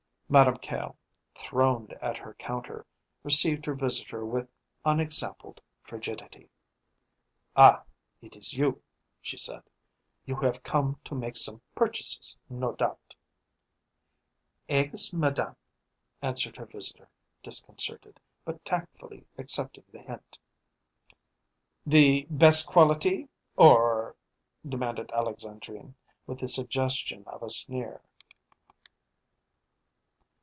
Madame Caille, throned at her counter, received her visitor with unexampled frigidity. "Ah, it is you," she said. "You have come to make some purchases, no doubt." "Eggs, madame," answered her visitor, disconcerted, but tactfully accepting the hint. "The best quality or ?" demanded Alexandrine, with the suggestion of a sneer.